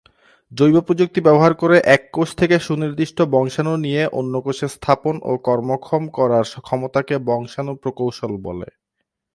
জৈবপ্রযুক্তি ব্যবহার করে এক কোষ থেকে সুনির্দিষ্ট বংশাণু নিয়ে অন্য কোষে স্থাপন ও কর্মক্ষম করার ক্ষমতাকে বংশাণু প্রকৌশল বলে।